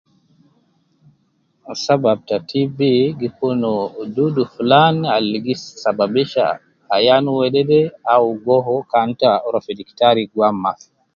Sabab ta TB gi kun dudu fulan al gi sabibisha ayan wedede au goho kan ita rua fi diktar guam mafi